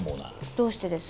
どうしてです？